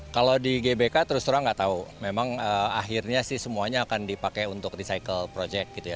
kalau di gbk terus terang nggak tahu memang akhirnya sih semuanya akan dipakai untuk recycle project gitu ya